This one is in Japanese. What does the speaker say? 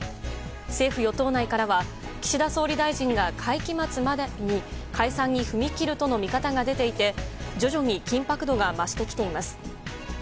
政府・与党内からは岸田総理大臣が会期末までに解散に踏み切るとの見方が出ていて、徐々に緊迫度が増してきています。